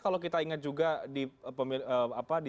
kalau kita ingat juga di